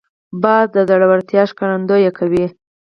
باز د زړورتیا ښکارندویي کوي